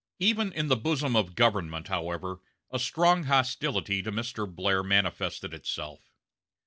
Even in the bosom of the government, however, a strong hostility to Mr. Blair manifested itself.